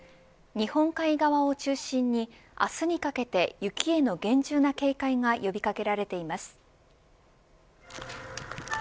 日本海側を中心に明日にかけて雪への厳重な警戒が呼び掛けられています。